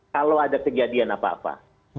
kalau ada kejadian apa apa